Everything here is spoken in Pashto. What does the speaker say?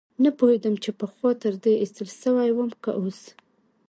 نه پوهېدم چې پخوا تېر ايستل سوى وم که اوس.